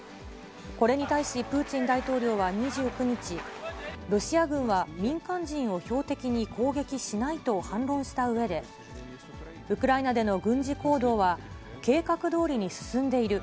これに対しプーチン大統領は、２９日、ロシア軍は民間人を標的に攻撃しないと反論したうえで、ウクライナでの軍事行動は計画どおりに進んでいる。